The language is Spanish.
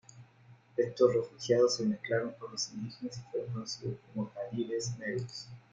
Estos refugiados se mezclaron con los indígenas y fueron conocidos como "caribes negros".